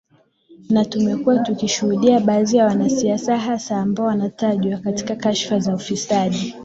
na tumekuwa tukishudia baadhi ya wanasiasa hasa ambao wanatajwa katika kashfa za ufisadi